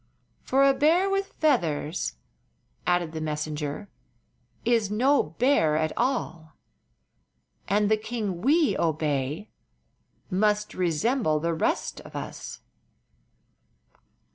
"For a bear with feathers," added the messenger, "is no bear at all, and the king we obey must resemble the rest of us."